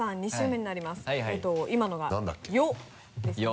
今のが「よ」ですね。